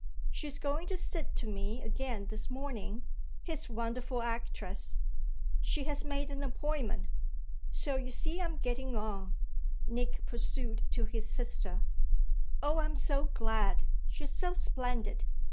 "She's going to sit to me again this morning, his wonderful actress she has made an appointment: so you see I'm getting on," Nick pursued to his sister. "Oh I'm so glad she's so splendid!"